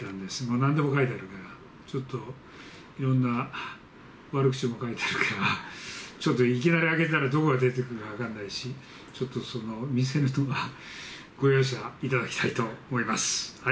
なんでも書いてあるから、ちょっと、いろんな悪口も書いてあるから、ちょっといきなり開けたらどこが出てくるか分からないし、ちょっと見せるのは、ご容赦いただきたいと思います。